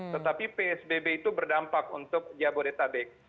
tetapi psbb itu berdampak untuk jabodetabek